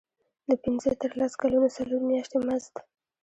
د پنځه نه تر لس کلونو څلور میاشتې مزد.